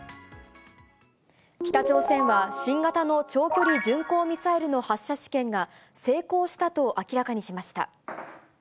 北朝鮮は、新型の長距離巡航ミサイルの発射試験が成功したと明らかにしました。